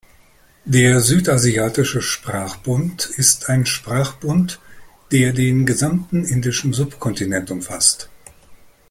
Der südasiatische Sprachbund ist ein Sprachbund, der den gesamten indischen Subkontinent umfasst.